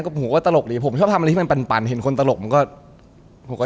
ผมก็ตลกดีผมชอบทำอะไรที่มันปั่นเห็นคนตลกมันก็ปกติ